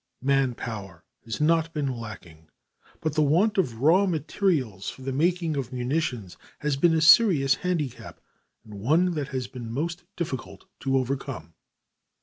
Manpower has not been lacking, but the want of raw materials for the making of munitions has been a serious handicap, and one that has been most difficult to overcome.